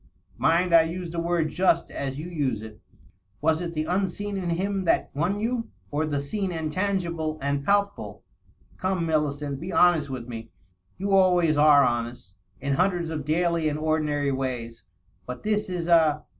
" Mind, I use the word just as you use it. Was it the unseen in him that won you, or the seen and tangible and palpable ? Come, Millicent, 698 DOUGLAS DUANE, be honest with me. You always are honesty in hundreds of daily and ordinary ways. But this is a